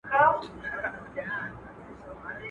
ټولنیزې رسنۍ خلک نږدې کوي